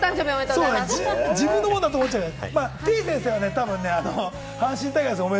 自分のことだと思っちゃうから。